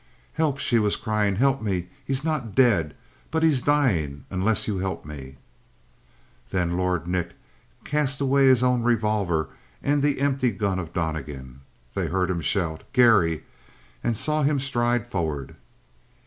"Help!" she was crying. "Help me. He's not dead, but he's dying unless you help me!" Then Lord Nick cast away his own revolver and the empty gun of Donnegan. They heard him shout: "Garry!" and saw him stride forward.